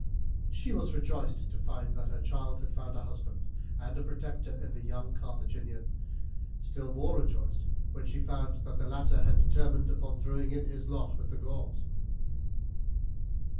She was rejoiced to find that her child had found a husband and protector in the young Carthaginian, still more rejoiced when she found that the latter had determined upon throwing in his lot with the Gauls.